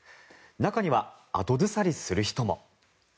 中には後ずさりする人も。